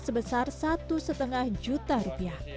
sebesar satu lima juta rupiah